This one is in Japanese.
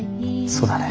そうだね。